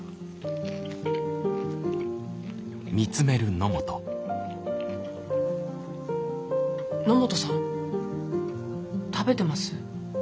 一口だ野本さん食べてます？